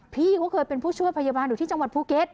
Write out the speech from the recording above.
พี่เขาเคยเป็นผู้ช่วยพยาบาลอยู่ที่จังหวัดภูเก็ต